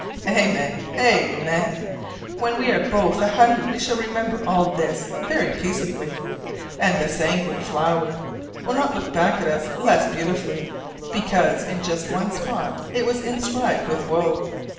Amen, amen! When we are both a hundred we shall remember all this very peaceably; and the "sanguine flower" will not look back at us less beautifully because in just one spot it was inscribed with woe.